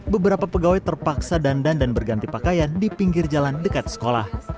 beberapa pegawai terpaksa dandan dan berganti pakaian di pinggir jalan dekat sekolah